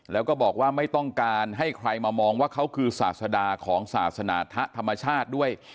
แล้วก็บอกว่าไม่ต้องการให้ใครมามองว่าเขาคือศาสดาของศาสนาธะธรรมชาติด้วย